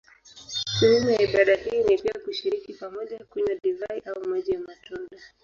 Sehemu ya ibada hii ni pia kushiriki pamoja kunywa divai au maji ya matunda.